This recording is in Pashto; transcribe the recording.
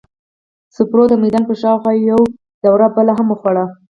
سپرو د میدان پر شاوخوا یو دور بل هم وخوړ.